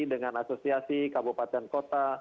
dengan asosiasi kabupaten kota